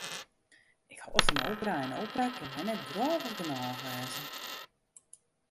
Ik hâld fan opera en opera kin my net drôvich genôch wêze.